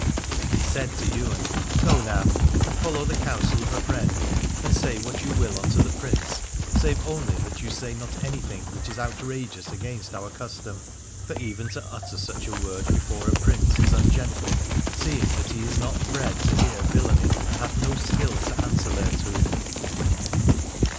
And he said to Ywain : Go now, and follow the counsel of a friend ; and say what you will unto the Prince, save only that you say not any thing which is outrageous against our custom. For even to utter such a word before a Prince is ungentle, seeing that he is not bred to hear villainy and hath no skill to answer thereto.